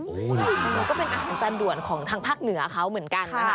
มันก็เป็นอาหารจานด่วนของทางภาคเหนือเขาเหมือนกันนะคะ